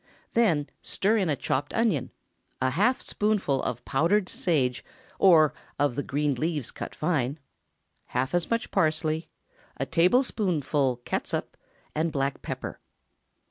Then stir in a chopped onion, a half spoonful of powdered sage, or of the green leaves cut fine, half as much parsley, a tablespoonful catsup, and black pepper.